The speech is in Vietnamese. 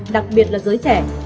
đặc biệt là giới trẻ